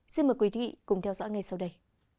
xin mời quý vị cùng theo dõi ngay sau đây